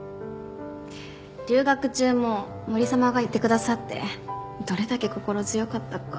留学中も森様がいてくださってどれだけ心強かったか。